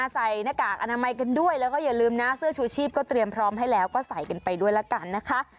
หน้ากากอนามัยกันด้วยแล้วก็อย่าลืมนะเสื้อชูชีพก็เตรียมพร้อมให้แล้วก็ใส่กันไปด้วยละกันนะคะ